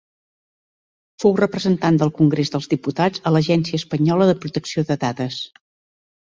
Fou representant del Congrés dels Diputats a l'Agència Espanyola de Protecció de Dades.